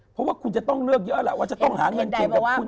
เพราะว่าคุณจะต้องเลือกเยอะแหละว่าจะต้องหาเงินเกี่ยวกับคุณ